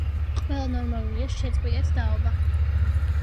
ყველა ნორმალურია შეწყვიტეთ დაობა